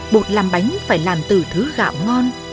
bột làm bánh phải làm từ thứ gạo ngon